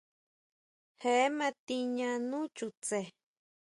Je ma tiña nú chutse.